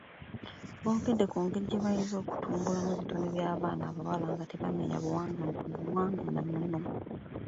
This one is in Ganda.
Boogedde ku ngeri gye bayinza okutumbulamu ebitone by'abaana abawala nga tebamenye buwangwa na nnono.